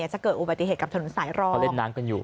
จะเกิดอุบัติเหตุกับถนนสายรอดเขาเล่นน้ำกันอยู่